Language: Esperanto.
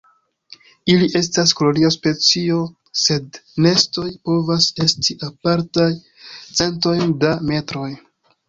Ili estas kolonia specio, sed nestoj povas esti apartaj centojn da metroj.